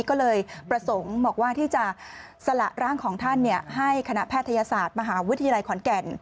ก็เลยประสงค์บอกว่าที่จะสละร่างของท่านให้คณะแพทยศาสตร์มหาวิทยาลัยขอนแก่น